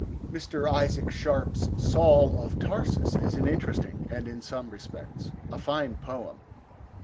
Mr. Isaac Sharp's Saul of Tarsus is an interesting, and, in some respects, a fine poem.